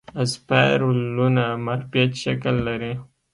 اسپایرلونه مارپیچ شکل لري.